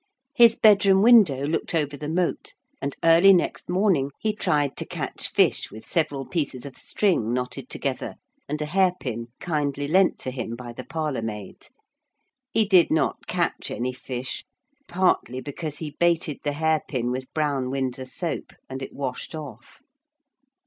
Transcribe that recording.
His bedroom window looked over the moat, and early next morning he tried to catch fish with several pieces of string knotted together and a hairpin kindly lent to him by the parlourmaid. He did not catch any fish, partly because he baited the hairpin with brown windsor soap, and it washed off.